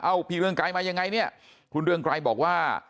เอาพี่เรืองไกรมายังไงเนี่ยคุณเรืองไกรบอกว่า